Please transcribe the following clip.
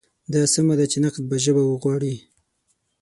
دا سمه ده چې نقد به ژبه غواړي.